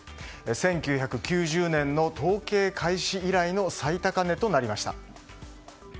１９９０年の統計開始以来の最高値となりました。